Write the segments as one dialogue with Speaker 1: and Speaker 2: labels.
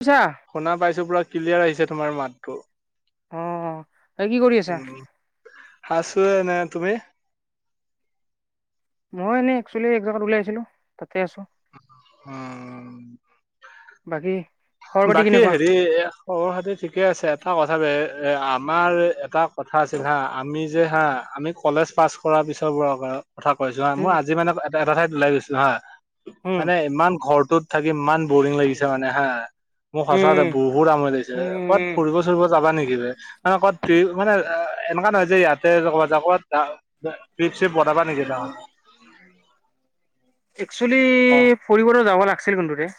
Speaker 1: বুইছা
Speaker 2: শুনা পাইছো পুৰা ক্লিয়াৰ আহিছে তোমাৰ মাতটো।
Speaker 1: উম।
Speaker 2: উম হাছো এনে তুমি?
Speaker 1: মই এনেই একচুৱেলি এক জেগাত ওলাই আছিলো। তা
Speaker 2: উম।
Speaker 1: বাকী খবৰ পাতি
Speaker 2: বাকী
Speaker 1: কেনেকুৱা
Speaker 2: হেৰি এ সৰু খাতি ঠিকে আছে, এটা কথা এ এ আমাৰ এটা কথা আছিল হা, আমি যে হা আমি কলেজ পাছ কৰাৰ পিছৰব আৰু কথা কৈছো হা, মই
Speaker 1: উম
Speaker 2: আজি মানে এটা ঠাই ওলাই গৈছো হা,
Speaker 1: উম
Speaker 2: মানে ইমান ঘৰটোত থাকি ইমান বৰিং লাগিছে মানে হা। মোক সঁচা কথা
Speaker 1: উম
Speaker 2: বহুত আমৰি লাগিছে, ক'ত
Speaker 1: উম
Speaker 2: ফুৰিব চুৰিব যাবা নেকি ব মানে ক'ত টুই মানে এনেকা নহয় যে ইয়াতে লগত যাব চে বতাবা নেকি ত?
Speaker 1: একচেলি ফুৰিবো যাব লাগিছিল কোনটো দে?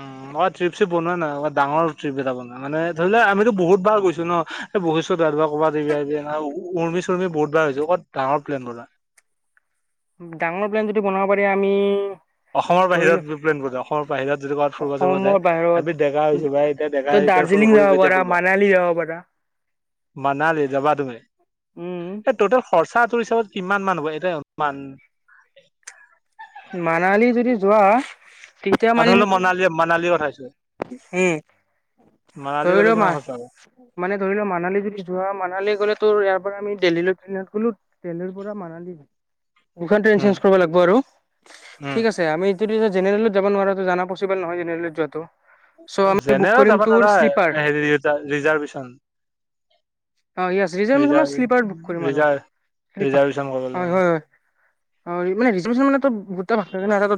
Speaker 2: অ মই ট্ৰিপ -চিপ বনোৱা নাই ডাঙৰ ট্ৰিপ এটা বনোৱা মানে ধৰি লোৱা আমিতো বহুত বাৰ গৈছো ন পুহীছো দেব ক'ৰবাত দিবিমবি ন উৰমি চৰ্মি বহুত বাৰ হৈছে ক'ত ডাঙৰ প্লেন বনায়। [unintelligible]
Speaker 1: ডাঙৰ প্লেন যদি বনাব পাৰি আমি
Speaker 2: অসমৰ
Speaker 1: ধৰিলো
Speaker 2: বাহিৰত বিপ্লেন বনোৱা অসমৰ বাহিৰত যদি ক'ৰবাত ফুৰিব চুৰিব
Speaker 1: অসমৰ
Speaker 2: যায়,
Speaker 1: বাহিৰত
Speaker 2: আমি ডেকা হৈছো ভাই এতিয়া ডেকা
Speaker 1: তই
Speaker 2: এতিয়া
Speaker 1: দাৰ্জিলিং যাব পাৰা, মানালী যাব পাৰা।
Speaker 2: মানালি যাবা তুমি,
Speaker 1: উম
Speaker 2: এই টোতেল খৰ চা তোৰ হিচাপত কিমান মানুহ হ'ব এটাই অনুমান
Speaker 1: মানালী যদি যোৱা, তেতিয়া
Speaker 2: অ',
Speaker 1: মানে
Speaker 2: ধৰি লও
Speaker 1: সেইটো
Speaker 2: মনালী মানালীৰ কথা কৈছো।
Speaker 1: হুম।
Speaker 2: মানালী
Speaker 1: ধৰি
Speaker 2: গ'লে
Speaker 1: লোৱা মা
Speaker 2: কিমান খৰচা হ'ব
Speaker 1: মানে ধৰি লোৱা মানালী যদি যোৱা মানালী গলে তোৰ ইয়াৰ পৰা আমি দিল্লীলৈ ট্ৰেনত গ'লো, দেল্লিৰ পৰা মানালী দুখন ট্ৰেইন
Speaker 2: উম,
Speaker 1: চেঞ্জ কৰিব লাগিব আৰু
Speaker 2: উম।
Speaker 1: ঠিক আছে আমি [inaudible] জেনেৰেল যাব নোৱৰা জানা পচিবল নহয় জেনেৰেলত যোৱাটো। চ' আমি বুক
Speaker 2: জেনেৰেলত
Speaker 1: কৰিম
Speaker 2: যাব
Speaker 1: তোৰ
Speaker 2: নোৱাৰা,
Speaker 1: শ্লিপাৰ
Speaker 2: হেৰি ৰিজা ৰিজাৰ্ভেচন।
Speaker 1: অ ইয়েচ ৰিজাৰ্ভচনত শ্লীপাৰ বুক কৰিম আৰু।
Speaker 2: ৰিজাৰ্ভ
Speaker 1: কৃপা
Speaker 2: ৰিজাৰ্ভেশ্যন কৰিব
Speaker 1: অ
Speaker 2: লাগিব।
Speaker 1: হয় হয়। অ মানেজ মানুত ভ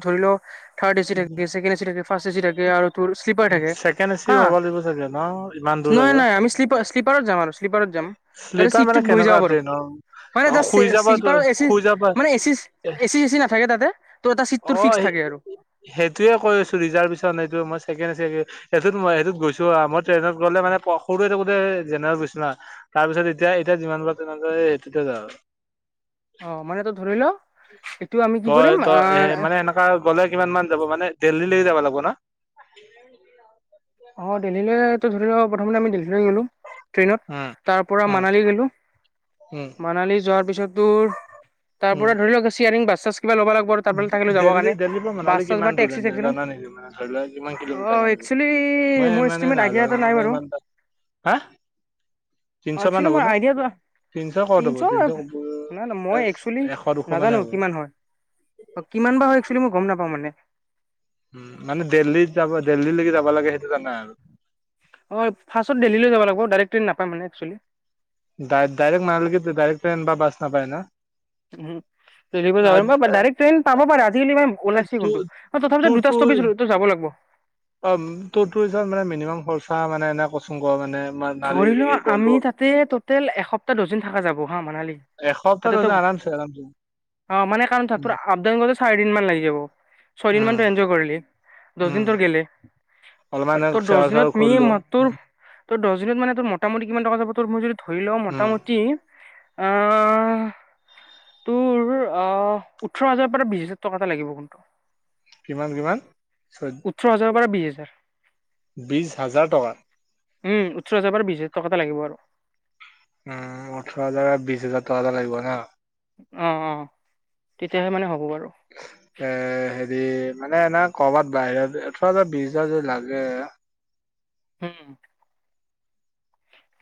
Speaker 1: ধৰি ল [unintelligible] থাৰ্ড এচি থাকে, ছেকেণ্ড এচি থাকে, ফাচৰ্ট এচি থাকে আৰু তোৰ স্লিপাৰ থাকে
Speaker 2: ছেকেণ্ড এচি
Speaker 1: হা।
Speaker 2: ল'ব লাগিব চাগে ন ইমান দূৰ
Speaker 1: নাই
Speaker 2: আৰু
Speaker 1: নাই আমি শ্লিপা শ্লিপাৰত যাম আৰু শ্লীপাৰত যাম তাতে
Speaker 2: শ্লিপাৰ মানে
Speaker 1: চিটটোত বহি যাব
Speaker 2: কেনেকুৱা
Speaker 1: পাৰু।
Speaker 2: ট্ৰেইনৰ
Speaker 1: হয় নে
Speaker 2: অ
Speaker 1: জাচ
Speaker 2: শুই যাবা তো
Speaker 1: শ্লিপাৰত এচি
Speaker 2: শুই যাবা
Speaker 1: মানে, এচি এচি চেচি নাথাকে তাতে? ত' এটা চিট তোৰ
Speaker 2: অ
Speaker 1: ফিক্স থাকে আৰু
Speaker 2: সেইটোয়ে কৈ আছো ৰিজাৰ্ভেচন সেইটো মই ছেকেণ্ড ছেকেণ্ড সেইটোত মই সেইটোত গৈছো, মই ট্ৰেইনত গ'লে মানে সৰু হৈ থাকোতে জেনেৰেলত গৈছো, তাৰপিছত এতিয়া এ যিমান পাৰ ট্ৰেনত যাওঁ তেতিয়া সেইটোতে যাওঁ আৰু।
Speaker 1: অ মানে তই ধৰি ল এইটো আমি কি
Speaker 2: তই
Speaker 1: কৰিম
Speaker 2: তই এ
Speaker 1: আহ
Speaker 2: মানে এনেকা গ'লে কিমান মান যাব মানে দেল্লি লৈ যাব লাগব না?
Speaker 1: অ দেলহীলৈ ধৰি লও প্ৰথম আমি দেল্লিলৈ গলো। ট্ৰেইনত
Speaker 2: উম
Speaker 1: তাৰ পৰা
Speaker 2: উম
Speaker 1: মানালী গলোঁ।
Speaker 2: উম
Speaker 1: মানালী যোৱাৰ পিছত তোৰ, তাৰ
Speaker 2: উম
Speaker 1: পৰা ধৰি লওক চিয়াৰিং বাছ চাছ কিবা ল'ব লাগিব আৰু তাৰ থাকিলো যাব
Speaker 2: দেল্লী
Speaker 1: কাৰণে,
Speaker 2: দেল্লীৰ পৰা
Speaker 1: বাছ
Speaker 2: মনালী
Speaker 1: চাব
Speaker 2: কিমান
Speaker 1: বা
Speaker 2: দূৰ
Speaker 1: টেক্সি
Speaker 2: এনে
Speaker 1: চেক্সি লম
Speaker 2: জানা নেকি মানে ধৰি লোৱা কিমান কিলোমিটাৰ মান
Speaker 1: অ। চুলি
Speaker 2: মই ইমানে নাজানো ইমানটা হা
Speaker 1: অ
Speaker 2: তিনশ মান
Speaker 1: একচেলি
Speaker 2: হ'ব
Speaker 1: মোৰ
Speaker 2: নে
Speaker 1: আইডিয়াটা
Speaker 2: তিনশ ক'ত হ'ব তিনশ ক'ব
Speaker 1: তিনিশ না না মই একচেলি
Speaker 2: এশ দুশ মানে
Speaker 1: নাজানো
Speaker 2: হ'ব
Speaker 1: কিমান হয়। অ কিমান বাৰ হয় একচেলি মই গম নাপাওঁ মানে
Speaker 2: উ ম মানে দিল্লী যাব দিল্লীলৈকে যাব লাগে সেইটো জানা
Speaker 1: অ ফাৰ্চত দেল্লীলৈ যাব লাগিব ডাইৰেক্ট ট্ৰেইন নাপায় মানে একচুৱেলি
Speaker 2: ডাই ডাইৰেক্ মালিকি ডাইৰেক্ ট্ৰেন বা বাছ নাপায় না
Speaker 1: উহু দেল্লীৰ পৰা যাব ডাৰেক্ট ট্ৰেইন পাব পাৰে আজিকালি ম ওলাইছে
Speaker 2: তোৰ
Speaker 1: কোনটো তথাপি দুটা
Speaker 2: তোৰ
Speaker 1: ষ্টপিচ যাব লাগব।
Speaker 2: অ টু টু হিচাপত মানে মিনিমাম খৰচা মানে এনে কচোন ক মানে
Speaker 1: ধৰি লোৱা
Speaker 2: মানালীলৈকে গ'লো
Speaker 1: আমি তাতে টোটেল এসপ্তাহ দহ দিন থকা যাব হা মানালি
Speaker 2: এসপ্তাহ
Speaker 1: তাতে ত
Speaker 2: দুদিন আৰামছে আৰামছে
Speaker 1: অ মানে কাৰণ
Speaker 2: উম
Speaker 1: তুৰ আব ডাউন চাৰি দিন মান লাগি যাব ছয় দিন মান
Speaker 2: উম
Speaker 1: ইনজয় কৰিলি দহ
Speaker 2: উম,
Speaker 1: দিন তোৰ গেলে।
Speaker 2: অলপমান
Speaker 1: তোৰ দহ
Speaker 2: চেয়াৰ চেয়াৰ
Speaker 1: দিনত মি
Speaker 2: কৰিলো
Speaker 1: মহ তোৰ তোৰ দহ মানে মোটামুটি কিমান টকা যাব মই যদি ধৰি লও
Speaker 2: উম
Speaker 1: মোটামুটি অ তোৰ আহ ওঠৰ হাজাৰৰ পৰা বিশ হাজাৰ টকা এটা লাগিব কিন্তু
Speaker 2: কিমান কিমান চৈ
Speaker 1: ওঠৰ হাজাৰৰ পৰা বিশ হাজাৰ
Speaker 2: বিশ হাজাৰ টকা
Speaker 1: উম ওঠৰ হাজাৰ পৰা বিশ হাজাৰ টকা এটা লাগিব আৰু
Speaker 2: উম ওঠৰ হাজাৰ বিশ হাজাৰ টকা এটা লাগিব ন
Speaker 1: অ অ তেতিয়াহে মানে হ'ব বাৰু
Speaker 2: এ হেৰি মানে এনে কৰবাত বাহিৰত ওঠৰ হাজাৰ বিশ হাজাৰ যদি লাগে।
Speaker 1: হম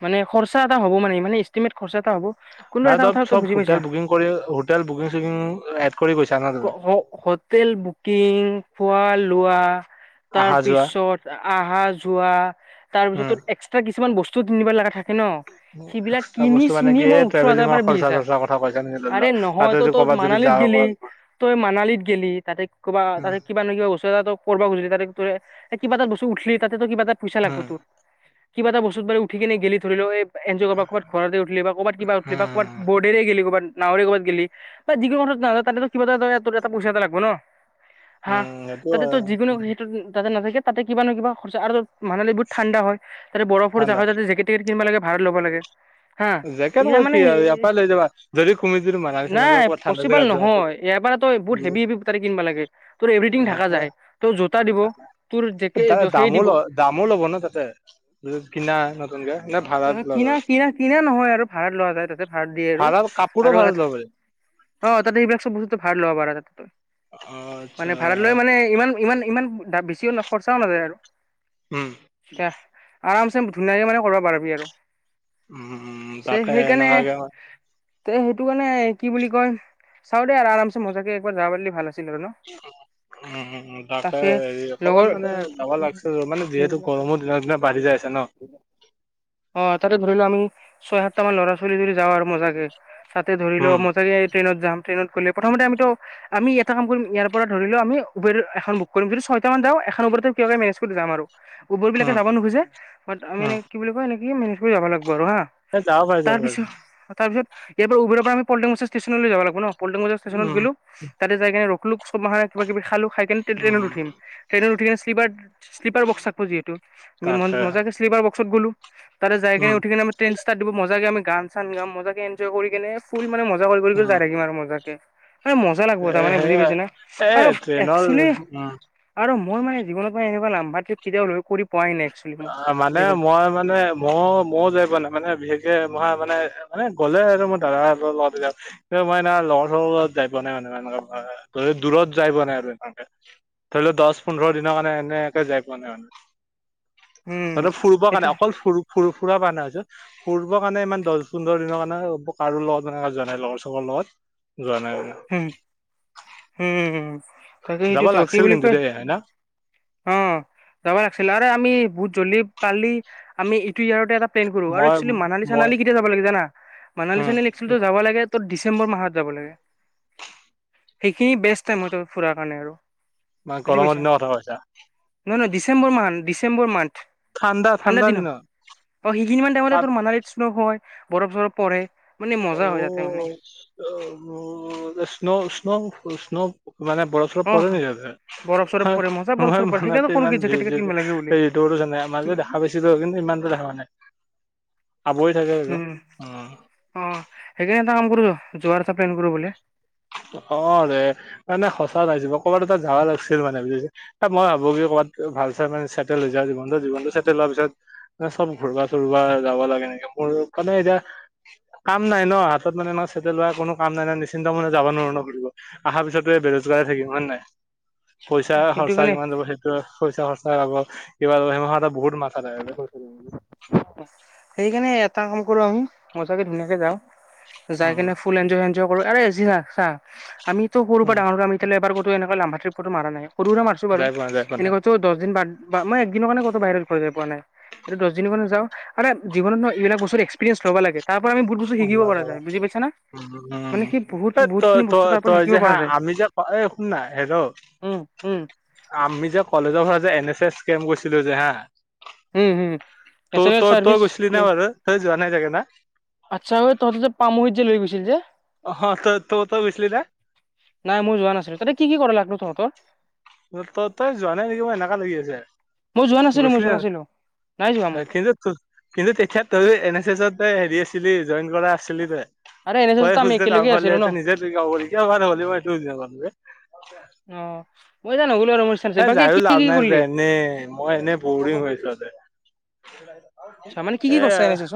Speaker 1: মানে খৰচা এটা হ'ব মানে মানে এষ্টিমেট খৰচা এটা হ'ব। কোনো
Speaker 2: মানে
Speaker 1: এটা
Speaker 2: ত
Speaker 1: কথা তই
Speaker 2: চব
Speaker 1: বুজি পাইছা
Speaker 2: হোটেল বুকিং কৰি হোটেল বুকিং চুকিং এড কৰি গৈছ-
Speaker 1: হোটেল বুকিং খোৱা লোৱা।
Speaker 2: আহা যোৱা
Speaker 1: তাৰপিছত আহা যোৱা
Speaker 2: উম,
Speaker 1: তাৰপিছত এক্সট্ৰা কিছুমান বস্ত- তিনিবাৰ লগে থাকে ন সেইবিলাক
Speaker 2: এক্সট্ৰা
Speaker 1: কিনি
Speaker 2: বস্তু মানে
Speaker 1: চিনি
Speaker 2: কি
Speaker 1: মই ওঠৰ হাজাৰ
Speaker 2: ট্ৰেভেলিঙৰ
Speaker 1: পৰা বিশ
Speaker 2: খৰ্চা
Speaker 1: হাজাৰ
Speaker 2: চৰ্চা কথা কৈছ নেকি ধৰি
Speaker 1: আৰে
Speaker 2: লোৱা
Speaker 1: নহয়
Speaker 2: তাতে
Speaker 1: তই
Speaker 2: যদি
Speaker 1: তই
Speaker 2: ক'বাত যদি
Speaker 1: মানালীত
Speaker 2: যাওঁ।
Speaker 1: গেলি
Speaker 2: [unintelligible]
Speaker 1: তই মানালিত গেলি তাতে কবা তাতে কিবা নহয় কিবা বস্তু এটা টোক কৰবা গলি তাত ত কিবা এটা বস্তু উঠলি তাতেটো কিবা এটা পইচা লাগব
Speaker 2: উম,
Speaker 1: তো কিবা এটা বস্তু বাৰু ঠিকেই গেলি ধৰি লও এই এনজয় কৰবা কৰ'বাত উঠিলি বা কবাত কিবা ক'বাত
Speaker 2: উম,
Speaker 1: বৰ্ডেৰে গেলি ক'বাত নাৱৰৰি ক'বাত গলি যিকোন ক না তো কিবা এটা এটা পইচা এটা লাগব ন হা
Speaker 2: উম, সেইটো
Speaker 1: তাতে
Speaker 2: হয়
Speaker 1: তোৰ যিকোনো সেইটো তাতে নাথাকি তা কিবা নো কিবা খৰচা আৰু মানুহ বহু ঠাণ্ডা হয় তাতে বৰফৰ
Speaker 2: ঠাণ্ডা
Speaker 1: জেগা যা জেকেট টেকেট কিনবা লাগে ভাড়াত লব লাগে। হা
Speaker 2: জেকেট
Speaker 1: এইগিলা
Speaker 2: আৰু কি
Speaker 1: মানে
Speaker 2: আৰু ইয়াৰ পৰা লৈ যাবা যদি তুমি যদি মানালী চানালী
Speaker 1: নাই
Speaker 2: ক'ৰবাত ঠাণ্ডা
Speaker 1: পচিবল
Speaker 2: জেগাত যোৱা
Speaker 1: নহয় এবাৰ তই বহুত হেভি তাৰে কিনিবা লাগে তোৰ এভথিং থকা
Speaker 2: সেইটো
Speaker 1: যাই তোৰ জোতা দিব তোৰ জেকেট
Speaker 2: দামো ল দামো ল'ব ন তাতে কিনা নতুনকে নে
Speaker 1: অ
Speaker 2: ভাড়াত
Speaker 1: কিনা
Speaker 2: লয়
Speaker 1: কিনা কিনা নহয় ভাড়াত লোৱা যায় তাতে ভাড়াত দিয়ে আৰু
Speaker 2: কাপোৰো
Speaker 1: আৰু এ
Speaker 2: ভাড়াত ল'ব পাৰি
Speaker 1: অ তাতে এইবিলাক চব বস্তু ভাড়াত ল'ব পাৰ তই
Speaker 2: অ
Speaker 1: মানে
Speaker 2: আচ্ছা
Speaker 1: ভাড়াত লৈ মানে ইমান ইমান ইমান বেছিও খৰচাও নাযায় আৰু
Speaker 2: উম
Speaker 1: এয়া আৰাম চে ধুনীয়াকে মানে কৰিবা পাৰিবি আৰু
Speaker 2: উম
Speaker 1: চ
Speaker 2: তাকে
Speaker 1: সেইকাৰণে
Speaker 2: এনকাকে
Speaker 1: তে সেইটো কাৰণে কি বুলি কয় চাও দে আৰামছে মজাকে একবাৰ যাব পাৰিলে ভাল আছিল আৰু ন
Speaker 2: উমম তাকে হেৰি
Speaker 1: লগৰ
Speaker 2: অকমান মানে যাব লাগিছিল মানে যিহেতু গৰমৰ দিনক দিনে বাঢ়ি যায়। আছে ন?
Speaker 1: অ তাতে ধৰি লোৱা আমি ছয়, সাতটা মান ল'ৰা-ছোৱালী যদি যাওঁ আৰু মজাকে। তাতে ধৰিলো
Speaker 2: উম
Speaker 1: মই ছাগে এই ট্ৰেইনত যাম। ট্ৰেইনত গ'লে প্ৰথমতে আমিটো আমি এটা কাম কৰিম। ইয়াৰ পৰা ধৰি লও আমি উবেৰ এখন বুক কৰিম। যদি ছয়টা মান যাও এখন উবেৰতে কিবাকে মেনেজ কৰি যাম আৰু। উবেৰ বিলাকে
Speaker 2: উম
Speaker 1: যাব নোখোজে। বাট আমি
Speaker 2: উম
Speaker 1: এনে কি বুলি কয় এনেকে মেনেজ কৰি যাব লাগিব। কৰোঁ হা
Speaker 2: এই যাব পাৰি যাব
Speaker 1: তাৰ
Speaker 2: পাৰি
Speaker 1: পিছত তাৰপিছত ইয়াৰ পৰা উবেৰৰ পৰা আমি পল্টন বজাজ ষ্টেচনলৈ যাব লাগব ন? পল্টন বজাৰ ষ্টেচনত
Speaker 2: উম
Speaker 1: গেলো। তাতে যাই কি ৰ চব মাহে কিবা কিবি খালো। খাই কিনে
Speaker 2: উম
Speaker 1: ট্ৰেইনত উঠি। ট্ৰেইনত উঠি কিনে শ্লিপাৰ শ্লিপাৰ বক্স থাকব যিহেটো
Speaker 2: তাকে
Speaker 1: মজাকে শ্লিপাৰ বক্সত গ'লো। তাতে যাই কিনে
Speaker 2: উম
Speaker 1: উঠি কিনে আম ট্ৰেন ষ্টাৰ্ট দিব। মজাকে আমি গান-চান গাম। মজাকে এনজয় কৰি কেনে শুই মানে মজা কৰি কৰি
Speaker 2: উম
Speaker 1: যাই থাকিম আৰু মজাকে। ম মজা লাগব তাৰ
Speaker 2: এ
Speaker 1: মানে বুজি পাইছ
Speaker 2: সেয়াই
Speaker 1: না।
Speaker 2: এ
Speaker 1: আৰু
Speaker 2: ট্ৰেইনৰ
Speaker 1: একচেলি
Speaker 2: উম
Speaker 1: আৰু মই মানে জীৱনত ম এনেকুৱা লাম্বা ট্ৰিপ কেতিয়াও লৈ কৰি পোৱাই নাই এক্চলি। মই
Speaker 2: অ'
Speaker 1: জীৱ
Speaker 2: মানে মই ময়ো যাই পোৱা নাই। মানে বিশেষকে মই মানে মানে গ'লে আৰু মই দাদাৰ লগত যাও। মই এনা লগৰ চগৰ লগত জাই পোৱা নাই মানে এ দূৰত যাই ব নাই আৰু এনেকে। ধৰি ল দছ, পোন্ধৰ দিনৰ কাৰণে এনেকে যাই পোৱা নাই মানে।
Speaker 1: উম
Speaker 2: অকল ফুৰিবৰ
Speaker 1: সেইটো
Speaker 2: কাৰণে অকল ফুৰ-ফুৰ ফুৰা পা না যত ফুৰব কাৰণে ইমান দছ, পোন্ধৰ দিনৰ কাৰণে কাৰো লগত এনেকে যোৱা নাই লগৰ-ছগৰ লগত। যোৱা নাই মানে
Speaker 1: হুম, হুম। তাকে
Speaker 2: যাব
Speaker 1: সেইটোতো কি
Speaker 2: লাগছিল
Speaker 1: বুলি
Speaker 2: কিন্তু
Speaker 1: কৈ
Speaker 2: দেই হয় না
Speaker 1: অ, যাব লাগিছিল। আৰে আমি জ্বলি পালি আমি সিটো ইয়াৰতে এটা প্লেন কৰো আৰু
Speaker 2: মই
Speaker 1: একচিয়েলি মানালী-
Speaker 2: মই
Speaker 1: চানালী কেতিয়া যাব লাগে জানা,
Speaker 2: উম
Speaker 1: মানালী-চানালী একচুলি যাবা লাগে তত ডিচেম্বৰ মাহত যাব লাগে। সেইখিনি বেষ্ট টাইম হয় ত ফুৰাৰ কাৰণে আৰু।
Speaker 2: মানে
Speaker 1: বুজি
Speaker 2: গৰমৰ
Speaker 1: পাইছা?
Speaker 2: দিনৰ কথা কৈছা?
Speaker 1: নহয় নহয় ডিচেম্বৰ মান্থ, ডিচেম্বৰ মান্থ।
Speaker 2: ঠাণ্ডা
Speaker 1: ঠাণ্ডাৰ
Speaker 2: ঠাণ্ডা
Speaker 1: দিনত। অ সেইখিনি মান
Speaker 2: তাত
Speaker 1: টাইমতে তোৰ মানালীত হয়, বৰফ-চৰফ পৰে, মানে মজা হয় যাতে মানে।
Speaker 2: স্ন-স্ন-স্ন মানে বৰফ- চৰফ
Speaker 1: অ' বৰফ চৰফ
Speaker 2: পৰে,
Speaker 1: পৰে মজা বৰফ
Speaker 2: মই
Speaker 1: চৰফ পৰে সেইকাৰণে
Speaker 2: মনতে
Speaker 1: ক'লো
Speaker 2: ইমান
Speaker 1: কি জেকেট তেকেট কিনিব লাগে বুলি।
Speaker 2: [unintelligible] মাজত দেখা পাইছিলো কিন্তু ইমানতো দেখা হোৱা নাই। আৱৰি থাকে আকৌ,
Speaker 1: উম।
Speaker 2: অ।
Speaker 1: অ এটা কাম কৰ য জুৱাৰ [unintelligible]
Speaker 2: অ, ৰে মানে সঁচা নাই য ক'ৰবাত তাত জাগা লাগিছিল মানে বুজছে ত মই ভাবো কি মই ভাল চাই মানে চেটেল হৈ য জীৱনটো জীৱনটো ছেটেল হোৱাৰ পিছত ম চব ঘূৰবা চুৰবা যাব লাগে। এনেকে মোৰ মানে এতিয়া কাম নাই ন হাতত মানে ছেটেল হোৱা কোনো কাম নাই ন নিশ্চিন্ত মানে যাব নোওৰো ন ঘূৰিব। আহাৰ পিছতটো বেৰোজগাৰ থাকিম। হয় নে নাই। পইচা
Speaker 1: সেইটো
Speaker 2: খৰচা
Speaker 1: কাৰণে
Speaker 2: কিমান দব সেইটোৱে পইচা খৰচা হব কিবা সেইমাহৰ এটা বহুত মাথা থাকে বে।
Speaker 1: সেইকাৰণে এটা কাম কৰো আমি মজাকে ধুনীয়াকে যাওঁ। যাই
Speaker 2: উম
Speaker 1: কিনে ফুল এনজয় এনজয় কৰো। [unintelligible] চা আমিটো কৰো বা
Speaker 2: উম
Speaker 1: ডাঙৰ আমি এবাৰ কতো ত এনেকে লম্বা ট্ৰিপত কতো মৰা নাই। সৰু সুৰা মাৰছো বাৰু।
Speaker 2: যাই পোৱা নাই যাই পোৱা নাই।
Speaker 1: এনেকতো দছ দিন বা মই এক দিন কাৰণে কতো বাহিৰত ঘ পোৱা নাই। এতিয়া দছ দিনৰ কাৰণে যাওঁ। আৰে জীৱনত এই বিলাক বস্তু এক্সপিৰিয়েঞ্চ ল'ব লাগে। তাৰ পৰা আমি বহুত বস্তু শিকিব পৰা যায়, বুজি পাইছানে?
Speaker 2: উম উম
Speaker 1: বহুত
Speaker 2: এই তই
Speaker 1: বহুতখিনি বস্তু
Speaker 2: তই
Speaker 1: তাৰ পৰা
Speaker 2: তই
Speaker 1: শিকিব
Speaker 2: যে
Speaker 1: পৰা যায়।
Speaker 2: [unintelligible] এই শুন না।
Speaker 1: উম উম
Speaker 2: আমি যে কলেজৰ [unintelligible] কেম গৈছিলোঁ যে হা,
Speaker 1: উম হুম
Speaker 2: ত,
Speaker 1: নেচনেল
Speaker 2: তই
Speaker 1: চাৰ্ভিচ
Speaker 2: গৈছিলি নে
Speaker 1: স্কিম
Speaker 2: বাৰ যোৱা নাই ছাগে না।
Speaker 1: আচ্ছা তহঁতে যে পামুহিত যে লৈ গৈছিল যে।
Speaker 2: অ তই তই তই গৈছিলি না?
Speaker 1: নাই, মই যোৱা নাছিলো। তাতে কি-কি কৰালাক নো তহঁতক?
Speaker 2: তই, তই যোৱা নাই নেকি? মই এনেকুৱা লাগি আছে,
Speaker 1: মই যোৱা নাছিলো মই
Speaker 2: গৈছিলি
Speaker 1: যোৱা
Speaker 2: জা
Speaker 1: নাছিলো নাই যোৱা
Speaker 2: হয়,
Speaker 1: মই
Speaker 2: কিন্তু, কিন্তু তেতিয়া তই এন এছ এছতে হেৰি আ জইন কৰা আছিলি যে।
Speaker 1: আৰে এন এছ এছত
Speaker 2: তই
Speaker 1: আমি
Speaker 2: খুজিলে তাৰ
Speaker 1: একেলগে আছিলো
Speaker 2: ফাললে
Speaker 1: ন
Speaker 2: এ নিজে ত কাব নাল হ'লে মইটোুজিাপালোে। [unintelligible]
Speaker 1: অহ।
Speaker 2: এ, যায়ো লাভ নাই যে,
Speaker 1: কৰিলি
Speaker 2: এনেই মই এনেই বৰিং হৈছো তাতে। [unintelligible]
Speaker 1: আচছা মানে কি কি
Speaker 2: এ
Speaker 1: কৰি চা এনেছ ত।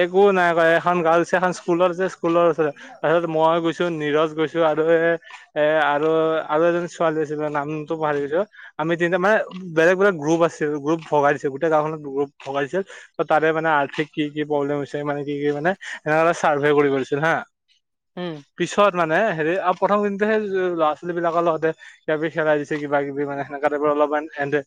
Speaker 2: একো নাই ক এখন গাৰ্লছে এখন স্কুলত আছে স্কুলৰ আছে তাৰপিছত মই গৈছো। নিৰজ গৈছো আৰু এ, এ আৰু আৰু এজন ছোৱালী আছিল নামটো পাহৰি গৈছো। আমি তিনিটা মানে বেলেগ-বেলেগ গ্ৰুপ আছিল গ্ৰুপ। ভগাই দিছে। গোটেই গাওখনত গ্ৰুপ ভগাই দিছে ত তাৰে মানে আৰ্থিক কি, কি প্ৰব্লেম হৈছে মানে কি কি মানে সেনে চাৰ্ভে কৰিছিল হা।
Speaker 1: উম
Speaker 2: পিছত মানে হেৰি আৰু প্ৰথম দিনতো সেই ল'ৰা-ছোৱালী বিলাকৰ লগতে কিবা খেলাই দিছে। কিবা-কিবি মানে সেনেকা অলপমান এ,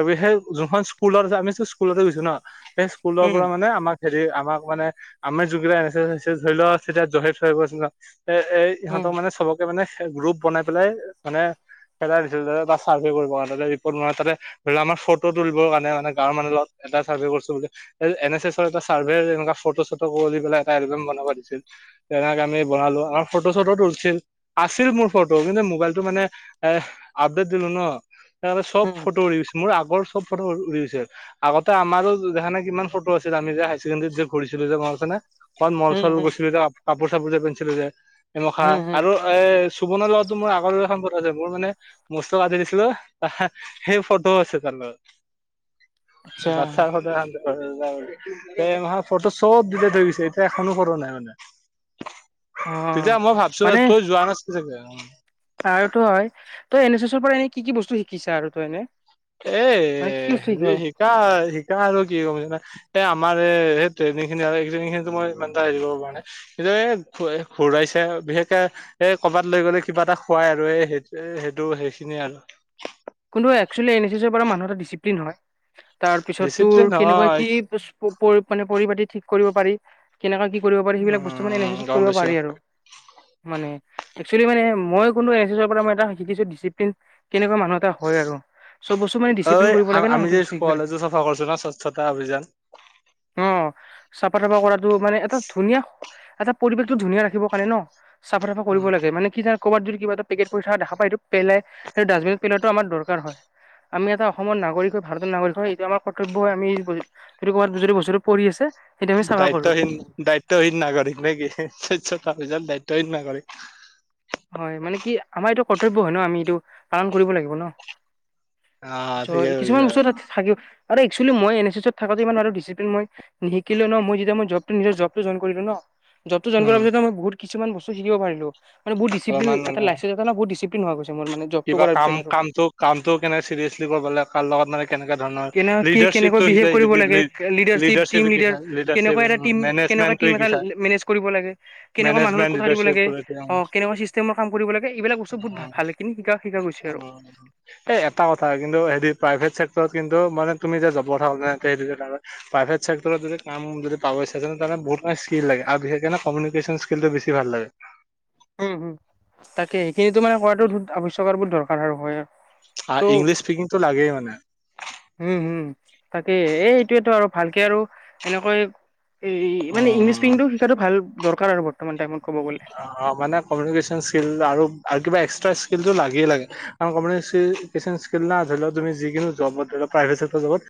Speaker 2: আৰু সেই যোনখন স্কুলত আমি স্কুলতে গৈছো ন, সেই স্কুলৰ
Speaker 1: উম
Speaker 2: পৰা মানে আমাক হেৰি আমাক মানে আমি জুনকেইটা আনিছো ধৰি লও। তেতিয়া জহ এ, এ
Speaker 1: উম
Speaker 2: ইহঁতক মানে চবকে মানে গ্ৰুপ বনাই পেলাই মানে খেলাই তাত চাৰ্ভে কৰিব ৰিপৰ্ট তাতে ধৰি লওঁ‌। আমাৰ ফটো তুলিবৰ কাৰণে মানে গাঁৱৰ মানুহ লগত। এটা চাৰ্ভে কৰিছো বোলে। এন এছ এছ এ, চাৰ্ভে এ ফটো চটো কৰি পেল এটা এলবাম বনাব দিছিল তেনেক আমি বনালো আমাৰ ফটো ফটো তছিল আছিল। মোৰ ফটো কিন্তু মোবাইলটো মানে এ আপডেট দিলো ন। সে চব
Speaker 1: উম
Speaker 2: ফটো উৰি গৈছে। মোৰ আগৰ চব ফটো উৰি গৈছে আগতে আমাৰো দেখানে কিমান ফটো আছ। আমি যে হাই ছেকেডাৰীত যে ঘূৰিছিলো যে মে মল
Speaker 1: উম
Speaker 2: চল
Speaker 1: উম
Speaker 2: গছিলো কাপোৰ চাপোৰ যে। যে এমখা
Speaker 1: উম উম
Speaker 2: আৰু এ চোবনৰ লগতো মোৰ আগৰ এখন। টো আছে মোৰ মানে মস্ত আাজি দিছিলো। সেই ফটোও আছে তাৰ লগত।
Speaker 1: আচ্ছা
Speaker 2: বাচ্ছাৰ সদায় শান্ত। এ মে ফটো চব দিলে থৈ গৈছে। এতিয়া এখনো ফটো নাই মানে।
Speaker 1: অ
Speaker 2: তেতিয়া মই ভাবছো তই যোৱা নাছিল [inaudible]
Speaker 1: আৰুটো হয় তই এন এছ এছৰ পৰা এনে কি কি বস্তু শিকিছা আৰু তই এনে।
Speaker 2: এ
Speaker 1: মানে কি কি বস্তু শিকিব
Speaker 2: হেৰি শিকা শিকা আৰু কি কমান এই আমাৰ। ট্ৰেনিং খিনিত মই ইমান এটা হে কৰিব পৰা নে ঘুৰাইছে। বিশেষকে এই কৰবাত লৈ গ'লে। কিবা এটা খোৱাই আৰু এই সেই সেইটো সেইখিনিয়ে আৰু
Speaker 1: কিন্তু একচুৱেল এন এছছৰ পৰা মানুহ এটা ডচিপ্লিন হয়। তাৰ পিছত তোৰ
Speaker 2: ডিচিপ্লিন
Speaker 1: কেনেকুৱা
Speaker 2: হয়
Speaker 1: কি পৰি মানে পৰিপতি ঠিক কৰিব পাৰি। কেনেকা কি কৰিব পাৰি। সেইবিলাক বস্তু মানে
Speaker 2: উম
Speaker 1: এ
Speaker 2: গম
Speaker 1: কৰিব
Speaker 2: পাইছো
Speaker 1: পাৰি আৰু মানে। একচেলি মানে মই কোনো এন এছ এছৰ পৰা মই এ শিকিছো। ডিচিপ্লিন কেনেকুৱা মানুহ এটা হয় আৰু। চব বস্তু মানে
Speaker 2: ঐ
Speaker 1: ডিচিপ্লিন কৰিব লাগে না
Speaker 2: আমি
Speaker 1: সেইটো
Speaker 2: যে
Speaker 1: বস্তু শিকিব লাগে
Speaker 2: কলেজো চফা কৰিছো ন। স্বচ্ছতা অভিযান।
Speaker 1: অ
Speaker 2: [unintelligible]
Speaker 1: চাফা চাফা কৰাটো মানে এটা ধুনীয়া এটা পৰিৱেশটো ধুনীয়া ৰাখিবৰ কাৰণে ন। চফা চাফা কৰিব
Speaker 2: উম
Speaker 1: লাগোনে কি জান ক'ৰবাত যদিবা এটােট পৰি এইটো পাই সেই ডাষ্টবিন পেলত ত আমাৰ দৰকাৰ হয়। আমি এটা অসমৰ নাগৰিক হয় ভাৰতৰ নাগৰিক হয় এইটো আমাৰ কৰ্তব্য হয়। আমি যিটো ক'ৰবাত যদি বস্ততোপৰি আছে। সেইটো আমি চাফা কৰো
Speaker 2: দায়িত্বহীন দায়িত্বহীন নাগৰিক নে কি [inaudible] তাপিছ দায়িত্বহীন নাগৰিক
Speaker 1: হয় মানে কি আমাৰ এইটো কৰ্তব্য হয় ন। আমি এইটো পালন কৰিব লাগিব ন।
Speaker 2: অ
Speaker 1: ছ
Speaker 2: ঠিকে
Speaker 1: কিছুমান
Speaker 2: কৈছা
Speaker 1: বতৰ থাকি আৰু একচুৱেলি মই এন এছছত থাকোঁ‌তে ইমান আৰু ডচিপ্লিন মই নিশিকিলো ন মই যেতি মইব নি জবটো জইন কৰিলো ন। যবটো জইন কৰ
Speaker 2: উম
Speaker 1: পিছ মইহুত কিছুমানবস্তু শিকিব পাৰিলো মান বহুত ডচিপলিন
Speaker 2: অলপমান
Speaker 1: এটা
Speaker 2: মানে
Speaker 1: লত।
Speaker 2: কিবা কাম কামটো কামটো কেনে চিৰিয়াছলি কৰিব লাগে কাৰ লগত মানে কেনেককা ধৰণৰ
Speaker 1: কেনে কি কেনেকৈ
Speaker 2: লিডাৰশ্বিপতটো
Speaker 1: বিহেভ
Speaker 2: শিকাই
Speaker 1: কৰিব লাগে
Speaker 2: লিডাৰশ্বিপ
Speaker 1: টিম
Speaker 2: শিক
Speaker 1: লিডাৰ
Speaker 2: লিডাৰশ্বিপ
Speaker 1: কেনেকুৱা এটা টিম
Speaker 2: মেনেজ
Speaker 1: কেনেকুৱা টিম এটা মেনেজ কৰিব লাগে। কেনেকুৱা মানুহ লগত
Speaker 2: মেনেজমেন্ট
Speaker 1: কথা দিব
Speaker 2: লিডাৰশ্বিপ
Speaker 1: লাগে অ' কেনেকুৱা চিষ্টেমৰ কাম কৰিব লাগে। এইবিলাক বস্তু ভাল হয় কিন্তু।
Speaker 2: অ এই এটা কথা কিন্তু হে প্ৰাইভেট চে। কিন্ত মানে তুমি যে জবৰ প্ৰাইভেট চেকটৰত যদি কাম যদি পাবা। বহুত ম স্কিল লাগে আৰু বিশেষে কমিউনিকেশ্যন স্কিলটো বেছি ভাল লাগে।
Speaker 1: উম উম তাকে সেইতো মানে কৰাটোত আৱশ্যয়ক ব দৰকাৰ হয় আৰু।
Speaker 2: আৰু ইংলিছ স্পিকিংটো লাগে মানে।
Speaker 1: উম, হুম, তাকে এই এইটোৱেতো আৰু ভালকে আৰু এনেকৈ। এই মানে ইংলিছ
Speaker 2: উম
Speaker 1: স্পিকিং টো শিকাটো ভাল দৰকাৰ আৰু বৰ্তমান টাইমত। ক'ব গ'লে।
Speaker 2: অ অ মানে। কমিউনিকেশ্যন স্কিল আৰু কিবা এক্সট্ৰা স্কিলটো লাগিয়েই লাগে কাৰণ কমিউনিকেশেশ্যন স্কিল না। ধ লও তুম যিকিনো জব ধৰি লও প্ৰাইভট কেটৰ জবত।